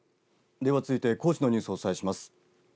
では続いて、高知のニュースをお伝えします。